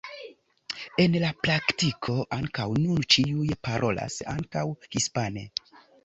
En la praktiko ankaŭ nun ĉiuj parolas ankaŭ hispane.